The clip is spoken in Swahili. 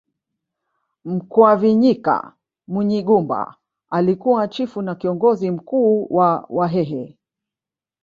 Mkwavinyika Munyigumba alikuwa chifu na kiongozi mkuu wa wahehe